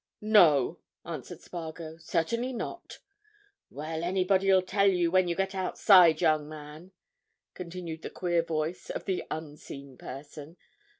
"No!" answered Spargo. "Certainly not!" "Well, anybody'll tell you when you get outside, young man," continued the queer voice of the unseen person.